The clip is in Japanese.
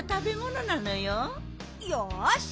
よし！